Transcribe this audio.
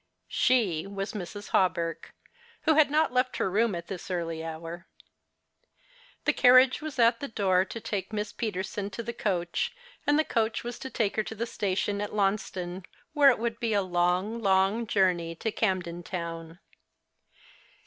She was Mrs. Hawberk, who had not left her room at this early hour. The carriage was at the door to take Miss Peterson to the coach, and the coach was to take her to the station at Launceston, whence it would be a long, long journey to Camden Town.